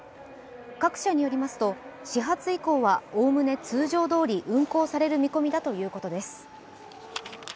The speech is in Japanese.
各社によりますと、始発以降はおおむね通常どおり運行される見込みだということです。